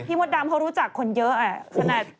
พี่มดดำเขารู้จักคนเยอะอะสนัด